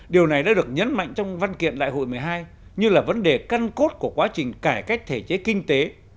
điều này đã được nhấn mạnh trong văn kiện đại hội một mươi hai như là vấn đề căn cốt của quá trình cải cách thể chế kinh tế